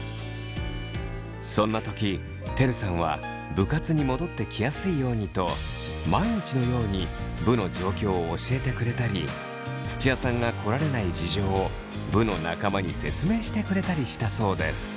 そんな時てるさんは部活に戻ってきやすいようにと毎日のように部の状況を教えてくれたり土屋さんが来られない事情を部の仲間に説明してくれたりしたそうです。